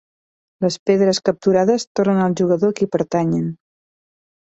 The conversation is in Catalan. Les pedres capturades tornen al jugador a qui pertanyen.